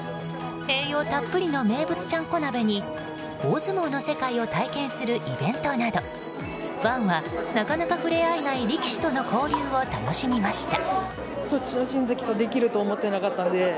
栄養たっぷりの名物ちゃんこ鍋に大相撲の世界を体験するイベントなどファンはなかなか触れ合えない力士との交流を楽しみました。